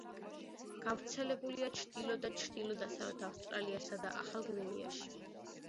გავრცელებულია ჩრდილო და ჩრდილო-დასავლეთ ავსტრალიასა და ახალ გვინეაში.